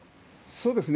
そうですね。